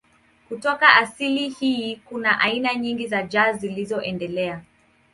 Kutoka asili hizi kuna aina nyingi za jazz zilizoendelea.